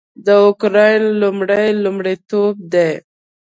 د اوکراین لومړی لومړیتوب دی